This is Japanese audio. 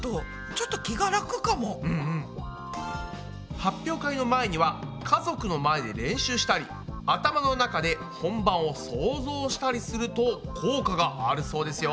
発表会の前には家族の前で練習したり頭の中で本番を想像したりすると効果があるそうですよ。